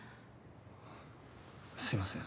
あぁすいません。